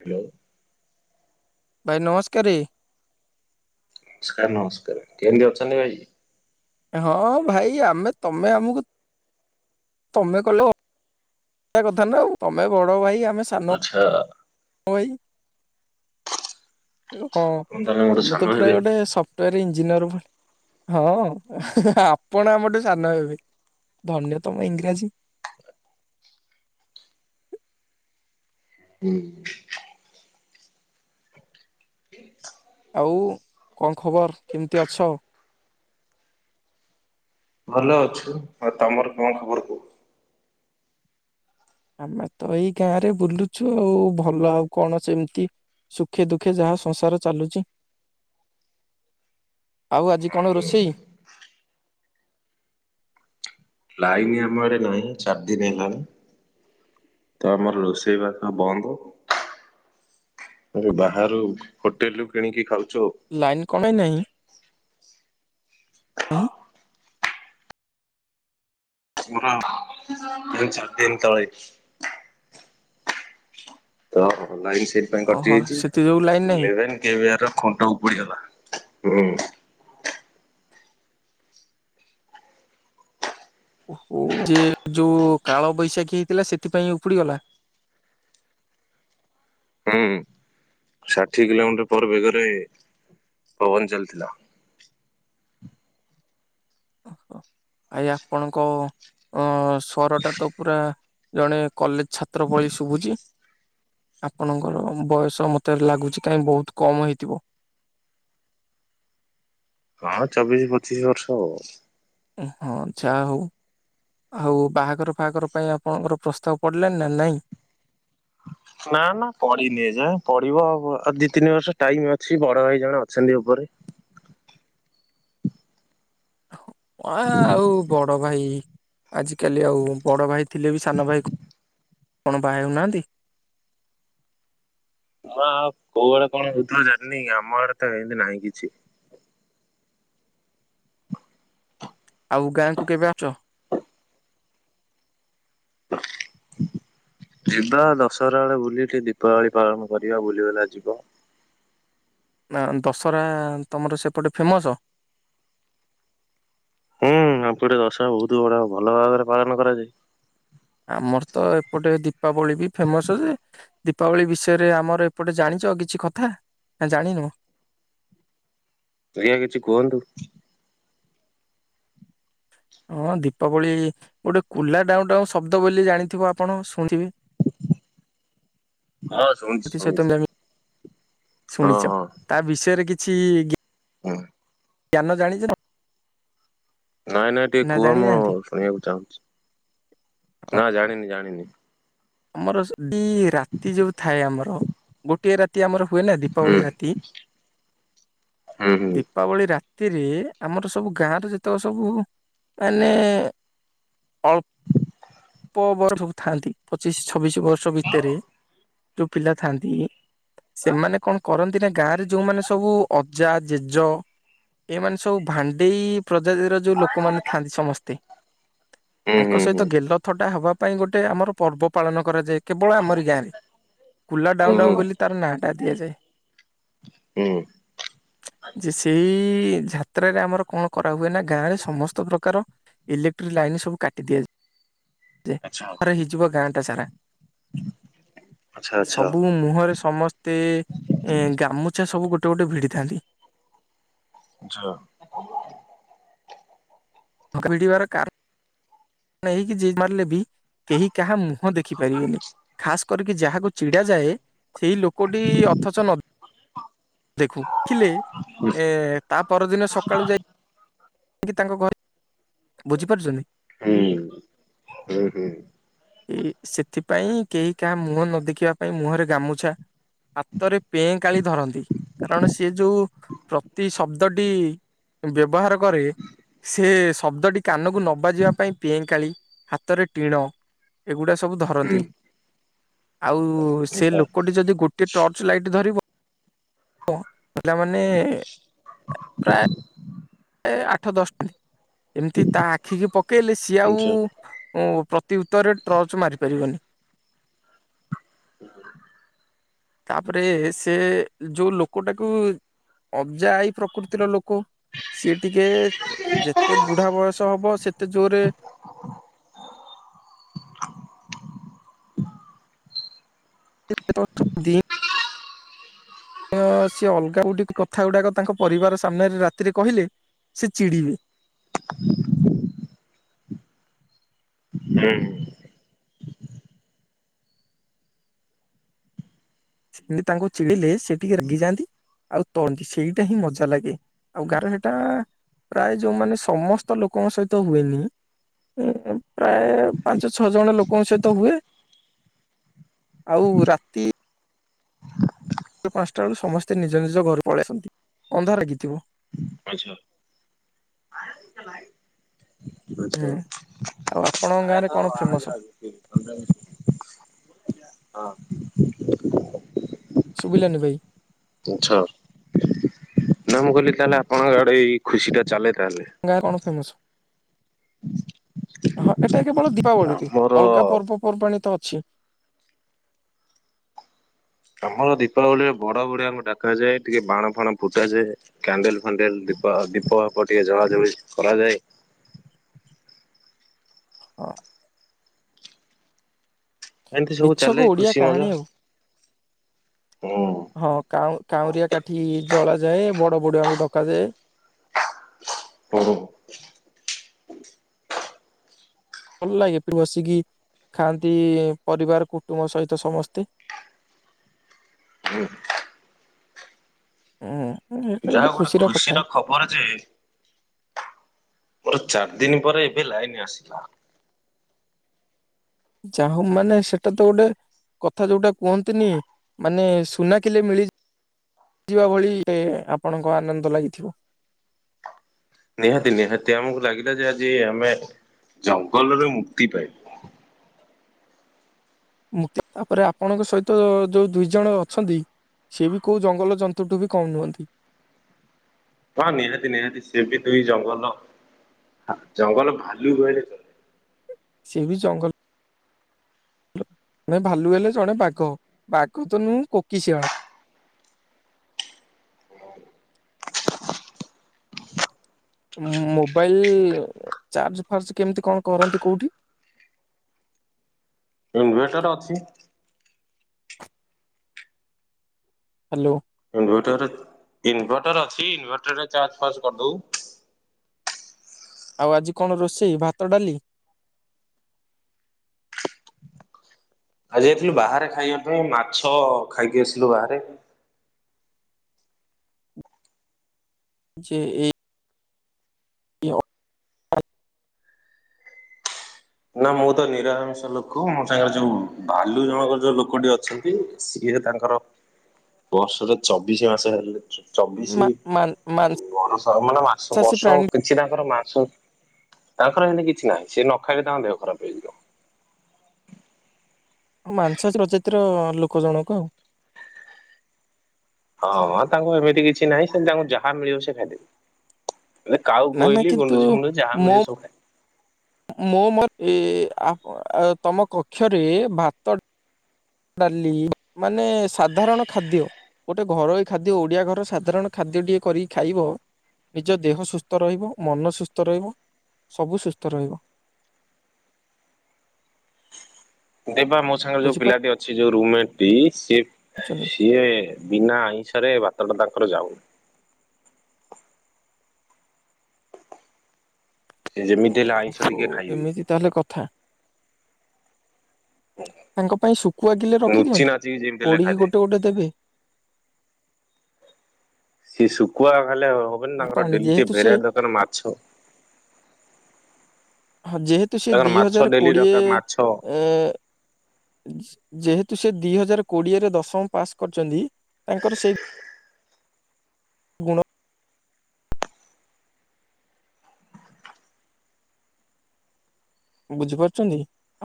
Hello ଭାଇ ନମସ୍କାର। ନମସ୍କାର ନମସ୍କାର କେମିତି ଅଛନ୍ତି ଭାଇ। ହଁ ଭାଇ ଆମେ ତମେ ଆମକୁ ତମେ କଲ ଏା କଥା ନା ଆଉ ତମେ ବଡ ଭାଇ ଆଉ ଆଛା [inaudible] ହଁ ଆପଣ ତାହେଲେ ମୋଠୁ ତମେ ସାନ ତ ପୁରା ହେବେ? ଗୋଟେ ସଫ୍ଟୱୋର ଇଞ୍ଜିନିୟର ଭଳି ହଁ ଆପଣ ଆମରଠୁ ସାନ ହେବେ ଧନ୍ୟ ତମ ଇଂରାଜୀ [inaudible] ହୁଁ ଆଉ କଣ ଖବର କେମିତି ଅଛ। ଭଲ ଅଛୁ ଆଉ ତମର କଣ ଖବର କୁହ? ଆମେ ତ ଏଇ ଗାଁ ରେ ବୁଲୁଛୁ ଆଉ ଭଲ ଆଉ କଣ ସେମିତି ସୁଖେ ଦୁଃଖେ ଯାହା ସଂସାର ଚାଲୁଚି। ଆଉ ଆଜି କଣ ରୋଷେଇ ଲାଇନ ଆମ ଆଡେ ନାହିଁ ଚାରି ଦିନ ହେଲାଣି ତ ଆମର ରୋଷେଇ ବା ବନ୍ଦ ବାହାରୁ ହୋଟେଲ ରୁ କିଣିକି ଖାଉ ଲାଇନ୍ କଣାଇ ନାହିଁ। ହଁ ହ ଦିନ ତଳେ ଓହୋ ଲାଇନ୍ ସେଥିପାଇଁ କଟି ଓହୋ ସେଥି ଯୋଗୁ ଲାଇନ ନାହିଁ ଯାଇଛି କେ ଖୁଣ୍ଟ ଉପୁଡିଗଲା ହୁଁ ଯେ ଯୋଉ କାଳ ବୈଶାଖୀ ହେଇଥିଲା ସେଥିପାଇଁ ଉପୁଡିଗଲା। ହୁଁ ଷାଠିଏ କିଲୋମିଟର ପରେ ବେଗରେ ପବନ ଚାଲିଥିଲା। ଓ ଆ ଆପଣଙ୍କ ଅ ସରଟା ତ ପୁରା ଜଣେ କଲେଜ ଛାତ୍ର ପଳି ଶୁଭୁଛି ଆପଣଙ୍କର ବୟସ ମତେ ଲାଗୁଛି କାହିଁକି ବହୁତ କମ୍ ହେଇଥିବ। ହଁ ଚବିଶ ପଚିଶ ବର୍ଷ ହଉ ହଁଛାହା ହଉ ହଉ ବାହାଘର ଫହାଘର ପାଇଁ ଆପଣଙ୍କର ପ୍ରସ୍ତାବ ପଡ଼ିଲେନ ନା ନାଇଁ ନା ନା ପଢିନି ଏ ଯା ପଢିବ ଆ ଆଉ ଦି ତିନି ବର୍ଷ ଟାଇମ ଅଛି ବଡ ଭାଇ ଜଣେ ଅଛନ୍ତି ଉପରେ ହଁ ଅ ଆଉ ବଣ ବଡ ଭାଇ ଆଜିକାଲି ଆଉ ବଡ ଭାଇ ଥିଲେ ବି ସାନ ଭାଇ କଣ ବାହା ହେଉନାହାନ୍ତି। ହଉ କୋଉ ଆଡେ କଣ ଶୁଧ ଜାରିନି ଆମ ଆଡେ ତ ଏମତି ନାହିଁ କିଛି ଆଉ ଗାଁକୁ କେବେ ଆଉଚ। ଯିବା ଦଶହରା ବେଳେ ବୁଲି ଟିକେ ଦୀପାବଳି ପାଳନ କରିବା ବୁଲି ବଲା ଯିବା। ଦଶରା ତମର ସେପଟେ ଫେମସ୍। ହୁଁ ଆମ ଗୋଟେ ଦଶହ ବହୁତ ଗୁଡ ଭଲ ଭାବରେ ପାଳନ କରାଯାଏ। ଆମର ତ ଏପଟେ ଦୀପାବଳି ବି ଫେମସ ଯେ ଦୀପାବଳି ବିଷୟରେ ଆମର ଏପଟେ ଜାଣିଛ କିଛି କଥା ନା ଜାଣିନୁ। [unintelligible] କିଛି କୁହନ୍ତୁ। ହଁ ଦୀପାବଳି ଗୋଟେ କୁଲା ଡାଉଁଡାଉଁ ଶବ୍ଦ ବୋଲି ଜାଣିଥିବ ଆପଣ। ଶୁଣିଥିବେ ହଁ ଶୁଣିୁଛି ଏଥିସହିତ ଶୁଣିୁଛି। ଆମେ ଶୁଣିଛ ତା ବିଷୟରେ କିଛି। ଛି। ହଁ। ଜ୍ଞାନ ଜାଣିଛ ନା। ନାଇଁ ନାଇଁ ଟିକେ କୁହ ମୁଁ ଜାଣିନାହାନ୍ତି ଶୁଣିବାକୁ ଚାହୁଁଛି ହଁ। ନା ଜାଣିନି ଜାଣିନି। ଆମର। ଦ ରାତି ଯୋଉ ଥାଏ ଆମର ଗୋ ଗୋଟିଏ ରାତି ଆମର। ହୁଏ ନା ହୁଁ ଦୀପାବଳି ରାତି ହୁଁ ହୁଁ ଦୀପାବଳି ରା ସେଥିରେ ଆମର ସବୁ ଗାଁର ଯେତେବେଳେ ସବୁ ମାନେ ଅଳ ପ ବର୍ଷକୁ ଥାନ୍ତି ପଚିଶ ଛ ଛବିଶ ବର୍ଷ ଭିତରେ। ଯୋଉ ପିଲା ଥାନ୍ତି ସେମାନେ କଣ କରନ୍ତି ନା ଗାଁ ରେ ଯୋଉମାନେ ସବୁ ଅଜା ଜେଜ ଏମାନେ ସବୁ ଭାଣ୍ଡେଇ। ପ୍ରଜାତିର ଯୋଉ ଲୋକମାନେ ଥାଆନ୍ତି ସମସ୍ତେ ହୁଁ ତାଙ୍କ ହୁଁ ସହିତ ହୁଁ ଗେଲ। ଗଟା ହେବା ପାଇଁ ଗୋଟେ ଆମର ପର୍ବ ପାଳନ କରାଯାଏ। କେବଳ ଆମରି ଗାଁରେ କୁଲା ହୁଁ ଡାଉନ ଡାଉନ୍ ହୁଁ। କଲେ ତାର ନାଁଟା ଦିଆଯାଏ ହୁଁ ଯେ ସେଇ। କି ଯାତ୍ରାରେ ଆମର କଣ କରା ହୁଏ ନା ଗାଁ ରେ ସମସ୍ତ ପ୍ରକାର ଇଲେକ୍ଟ୍ରିକ ଲାଇନ୍ ସବୁ କାଟି ଦିଆଯାଏ। ଯେ ଆଚ୍ଛା ଅନ୍ଧାର ହେଇଯିବ ଗାଁ। ଆଛା। ଆଚ୍ଛା ଆଚ୍ଛା ସବୁ ମୁହଁରେ ସମସ୍ତେ ଏ ଗାମୁଛା ସବୁ ଗୋଟେ। ଗୋଟେ ଗୋଟେ ଭିଡ଼ିଥାନ୍ତି। ଯ। ଭଙ୍କା ଭିଡ଼ିବାର କାରଣ। ନେଇକି ଯିଏ ମାରିଲେ ବି। କେହି କାହା ମୁହଁ ଦେଖିପାରିବେନି ଖାସ କରିକି ଯାହାକୁ ଚିଡା ଯାଏ ସେଇ ଲୋକଟି ଅଥଚ ନ ଦେଖୁ ଥିଲେ ଏ ତା ପରଦିନ ସକାଳୁ ଯାଇ। କାହିକି ତାଙ୍କ ଘରେ ବୁଝିପାରୁଛନ୍ତି। ହୁଁ ହୁଁ ହୁଁ। ଏ ସେଥିପାଇଁ କେହି କାହା ମୁହଁ ନ ଦେଖିବା ପାଇଁ ମୁହଁରେ ଗାମୁଛା। ହାତରେ ପେଁ କାଳି ଧରନ୍ତି କାରଣ ସିଏ ଯୋଉ ପ୍ରତିଶବ୍ଦ। ଡି ବ୍ୟବହାର। କରେ ସେ ସ ଶବ୍ଦଟି କାନକୁ ନ ବାଜିବା ପାଇଁ ପେଁକାଳି ହାତରେ ଟିଣ ଏଗୁଡା ସ ସବୁ ଧରନ୍ତି। ହୁଁ ଆଉ ସେ ଆଚ୍ଛା ଲୋକଟି ଯଦି ଗୋଟେ ଟର୍ଚ ଲାଇଟ୍ ଧରିବ [unintelligible] ପିଲାମାନେ ପ୍ରାୟ ଏ ଆଠ ଦଶ ଟା। ଏମିତି ତା ଆଖିିକି ପକେଇଲେ ସିଏ ଆଉ ଆଚ୍ଛା ହୁଁ [inaudible] ତାପରେ ସେ ଯୋଉ ଲୋକ ଟାକୁ ଅବ୍ଜା ଆଇ ପ୍ରକୃତିର ଲୋକ। ସିଏ ଟିକେ ଯେତେ ବୁଢା ବୟସ ହବ ସେତେ ଜୋରେ [unintelligible] ସିଏ ଅଲଗା ଗୁଡ଼େ କଥା ଗୁଡାକ ତାଙ୍କ ପରିବାର ସାମ୍ନାରେ ରାତିରେ କହିଲେ ସେ ଚିଡିବେ। ହୁଁ। ସେମତି ତାଙ୍କୁ ଚିଡ଼ିଲେ ସେ ଟିକେ ରାଗି ଯାଆନ୍ତି ଆଉ [unintelligible] ସେଇଟା ହିଁ ମଜା ଲାଗେ ଆଉ ଗାର ସେଟା ପ୍ରାୟ ଯୋଉମାନେ ସମସ୍ତ ଲୋକଙ୍କ ସହିତ ହୁଏନି ପ୍ରାୟ ପାଞ୍ଚ ଛଅ ଜଣ ଲୋକଙ୍କ ସହିତ ହୁଏ ଆଉ ରାତି ପାନ୍ ସ୍ ଟା ବେଳୁ ସମସ୍ତେ ନିଜ ନିଜ ଘରୁ ପଳେଇଆସନ୍ତି ଅନ୍ଧାର ଲାଗିଥିବ। ଆଛା [unintelligible] ହୁଁ ଆଛା ଆଉ ଆପଣଙ୍କ ଗାଁରେ କଣ ଫେମସ? [unintelligible] ହଁ ହ [inaudible] ସୁବିିଲାନି ଭାଇ ଛ ନା ମୁଁ କଇଲି ତାହେଲେ ଆପଣଙ୍କ ଆଡେ ଏଇ ଖୁସି ଟା ଚାଲେ। ତାହେଲେ ଗାଁ କଣ ଫେମସ ହଁ ଏଟା କେବଳ ଦୀପାବଳିରେ ଆମର ଅଲଗା ପର୍ବପର୍ବାଣ ତ ଅ ଛି। ଆମର ଦୀପାବଳିରେ ବଡ ବଡିଆଙ୍କୁ ଡାକାଯାଏ ଟିକେ ବାଣ ଫାଣ ଫୁଟାଯାଏ କ୍ୟାଣ୍ଡେଲ ହାଣ୍ଡେଲ ଦୀପା ଦୀପ ଦୀପ ଟିକେ ଜଳା ଜାଳି କରାଯାଏ। ହଁ। ଏମିତି ସବୁ ଚାଲେ ମିଛକୁ ଓଡିଆ ଖୁସି ମଜା କାହାଣୀ ଆଉ ହୁଁ ହଁ କାଉଁ କାଉଁରିଆ କାଠି ଜଳ ଯାଏ ବଡ ବଡୁ ଆଙ୍କୁ ଡକାଯାଏ। ହଉ। ଭଲ ଲାଗେ ବସିକି ଖାଆନ୍ତି ପରିବାର କୁଟୁମ୍ବ ସହିତ ସମସ୍ତେ। ହୁଁ ଯାହା ଗୋଟେ ଖୁସିର ଖବର ଯେ ମୋର ଚାର୍ ଦିନ ପରେ ଏବେ ଲାଇନ ଆସିଲା। ଯାହା ହଉ ମାନେ ସେଟା ତ ଗୋଟେ କଥା ଯୋଉଟା କୁହନ୍ତିନି ମାନେ ସୁନା କିଲେ ମିଳି ଯିବା ଭଳି ଆପଣଙ୍କ ଆନନ୍ଦ ଲାଗିଥିବ। ନିହାତି ନିହାତି ଆମକୁ ଲାଗିଲା ଯେ ଆଜି ଆମେ ଜଙ୍ଗଲରେ ମୁକ୍ତି ପାଇବୁ। ମୁ ତାପରେ ଆପଣଙ୍କ ସହିତ ଯୋଉ ଦୁଇ ଜଣ ଅଛନ୍ତି ସିଏ ବି କୋଉ ଜଙ୍ଗଲ ଜନ୍ତୁଠୁ ବି କମ୍ ନୁହନ୍ତି। ହ ନିହାତି ନିହାତି ସେ ବି ଦୁଇ ଜଙ୍ଗଲ ଜଙ୍ଗଲ ଭାଲୁ କହିଲେ ଚଲେ ସେ ବି ଜଙ୍ଗଲ ଆମେ ଭାଲୁ ହେଲେ ଜଣେ ବାଘ ବାଘ ତ ନୁହେଁ କୋକିଶିଆଳ ମୋବାଇଲ ଚାର୍ଜ ଫାର୍ଜ କେମିତି କଣ କରନ୍ତି କୋଉଠି? ଇନଭେଟର ଅଛି। ହ୍ୟାଲୋ ଇନଭଟର ଇନଭଟର ଅଛି ଇନଭଟରରେ ଚାର୍ଜ ଫାରଜ କରିଦଉ। ଆଉ ଆଜି କଣ ରୋଷେଇ ଭାତ, ଡାଲି ଆ ଯାଇଥିଲୁ ବାହାରେ ଖାଇବା ପାଇଁ ମାଛ ଖାଇକି ଆସିଲୁ ବାହାରେ। ଯେ ଏଇ [unintelligible] ନା ମୁଁ ତ ନିରାମିଷ ଲୋକ ମୋ ସାଙ୍ଗରେ ଯୋଉ ବାଲୁ ଜଣଙ୍କର ଯୋଉ ଲୋକଟି ଅଛନ୍ତି ସିଏ ତାଙ୍କର ବର୍ଷରେ ଚବିଶି ମାସ ହେଲେ ଚବିଶି ମା ମାନ୍ ବ ମାନେ ମାସ ମାଂସାଶୀ ବର୍ଷ ପ୍ରାଣୀ କିଛି ତାଙ୍କର ମା ତାଙ୍କର ହେଲେ କିଛି ନାହିଁ ସେ ନ ଖାଲି ତ ଦେଓ ଖରାପ ହେଇଯିବ। ମାଂସ ପ୍ରଜାତିର ଲୋକ ଜଣକ ଆଉ ହଁ ତାଙ୍କୁ ଏମିତି କିଛି ନାହିଁ ସେତି ତାଙ୍କୁ ଯାହା ମିଳିବ ସେ ଖାଇଦେବି। ଏ କାଉକୁ ନା ନା କହିଲି କିନ୍ତୁ ଗଣ୍ଡୁଚ ମୁଣ୍ଡୁଛି ଯ ମୋ ମିଳ ସବୁ ଖାଇ ମୋ ମ ଅପ ତମ କକ୍ଷରେ ଭାତ ଡାଲି ମାନେ ସାଧାରଣ ଖାଦ୍ୟ ଗୋଟେ ଘରୋଇ ଖାଦ୍ୟ ଓଡ଼ିଆ ଘର ସାଧାରଣ ଖାଦ୍ୟଟିିକଏ କରିକି ଖାଇବ ନିଜ ଦେହ ସୁସ୍ଥ ରହିବ, ମନ ସୁସ୍ଥ ରହିବ, ସବୁ ସୁସ୍ଥ ରହିବ। ଦେ ମୋ ସାଙ୍ଗରେୋଉ ପିଲାଟିଛି ଯଉ ରୁମେଟ ବି ସିଫ ବୁଝିପାରୁଛନ୍ତି ସିଏ ବିନା ଆଇଂଷାରେ ବା ତାଙ୍କର ଯାଉନି। ସେ ଯେମିତି ହେଲେ ଆଇଁଷ ହୋ ଟିକେ ଖାଇବେ ଏମିତି ତାହେଲେ କଥା ତାଙ୍କ ପାଇଁ ଶୁଖୁଆଗିଲେ ନୁଚି ରଖିଦିଅନ୍ତୁ ନାଚିକି ଯେମିତି ହେଲେ ପୋଡ଼ିକି ଖାଇଦେବେ। ଗୋଟେ ଗୋଟେ ଦେବେ। ସେି ଶୁଖୁଆ। ଲେ ହବନ ତାଙ୍କର ପାଣି ଡେ ଟ ଯେହେତୁ ସିଏ ଭେର ଦୋକାନ ମାଛ। ହଁ ଯେହେତୁ ସେ ତାଙ୍କର ଦିଇ ମାଛ ହଜାର ଡେଲି କୋଡିଏ ଦରକାର ମାଛ ଯେହେତୁ ସେ ଦୁଇ ହଜାର କୋଡିଏରେ ଦଶମ ପାସ୍ କରିଛନ୍ତି ତାଙ୍କର ସେଇ ଗୁଣ ବୁଝିପାରୁଛନ୍ତି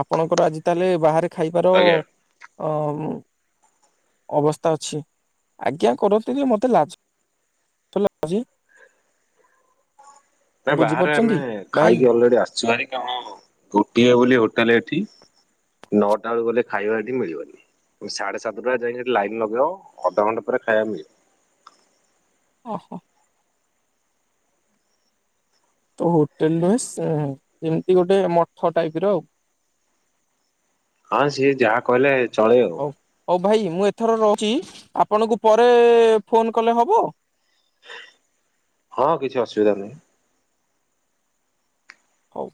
ଆପଣଙ୍କର ଆଜି ତାହେଲେ ବାହାରେ ଖାଇବାର। ଆଜ୍ଞା। ଅବସ୍ଥା ଅଛି ଆଜ୍ଞା କରନ୍ତୁ ଯେ ମତେ ଲା ନା ବାହାରେ ଆମେ ଖାଇକି ଅଲରେଡି ଆସିଛୁ ଭ କଣ? ଗୋଟିଏ ବୋଲି। ଏଠି ନଅଟା ବେଳକୁ ଗଲେ ଖାଇବା ଏଠି ମିଳିବନି ସାଢେ ସାତଟା ଯାଇକିଠି ଲାଇ ଲଗେଇବ ଅଧଘଣ୍ଟା ପରେ ଖାଇବା ମିଳିବ। ଓହୋ। ତ ହୋଟେଲ ନୁହେ ଏମିତି ଗୋଟେ ମଠ ଟାଇପ ର ଆଉ। ହଁ ସିଏ ଯାହା କହିଲେ ଚଳେ ଆଉ। ହଉ ହଉ ଭାଇ ମୁଁ ଏଥର ରହୁଛି ଆପଣଙ୍କୁ ପରେ ଫୋନ କଲେ ହବ? ହଁ କିଛି ଅସୁବିଧା ନାହିଁ। ହଉ।